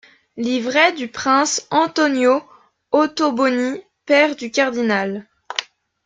Livret du Prince Antonio Ottoboni, père du cardinal.